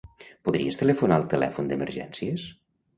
Podries telefonar el telèfon d'Emergències?